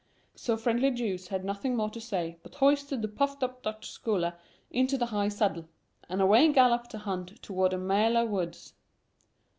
So friendly Jous had nothing more to say, but hoisted the puffed up Dutch scholar into the high saddle; and away galloped the hunt toward the Maelar woods.